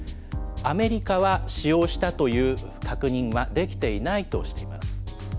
アメリカは、使用したという確認はできていないとしています。